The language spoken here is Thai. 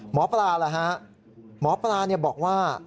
หมอปลาล่ะฮะหมอปลาบอกว่า